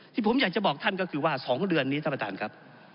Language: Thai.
ที่ผมอยากจะบอกท่านก็คือว่า๒เดือนนี้ท่านประธานครับ